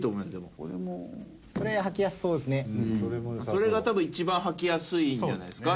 それが多分一番履きやすいんじゃないですか？